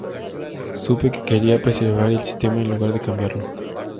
Supe que quería preservar el sistema en lugar de cambiarlo.